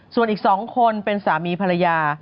ส่วนอีก๒คนเป็นสามีภรรยา